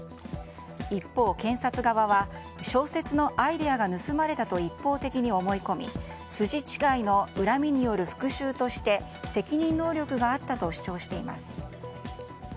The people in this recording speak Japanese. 一方、検察側は小説のアイデアが盗まれたと一方的に思い込み筋違いの恨みによる復讐として責任能力があったと主張しています。